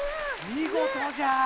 みごとじゃ！